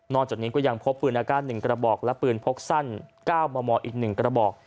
จากนี้ก็ยังพบปืนอากาศ๑กระบอกและปืนพกสั้น๙มมอีก๑กระบอก